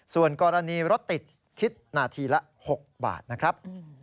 ส่วนกรณีรถติดคิดนาทีละ๖บาทนะครับ